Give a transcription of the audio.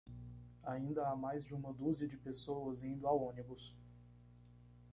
Ainda há mais de uma dúzia de pessoas indo ao ônibus.